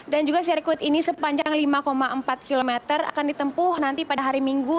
dan juga sirkuit ini sepanjang lima empat km akan ditempuh nanti pada hari minggu